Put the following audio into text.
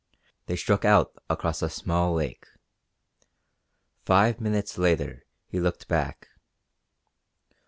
They struck out across a small lake. Five minutes later he looked back.